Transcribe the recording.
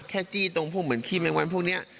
จี้ตรงพวกเหมือนขี้แมงวันพวกนี้